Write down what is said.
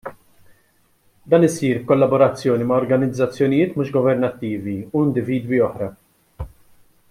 Dan isir b'kollaborazzjoni ma' organizzazzjonijiet mhux governattivi u individwi oħra.